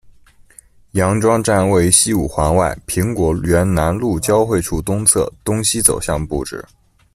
杨庄站位于西五环外，苹果园南路交汇处东侧，东西走向布置。